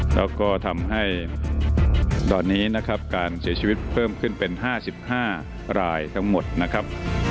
แล้วก็ทำให้ตอนนี้นะครับการเสียชีวิตเพิ่มขึ้นเป็น๕๕รายทั้งหมดนะครับ